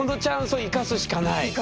生かすしかない。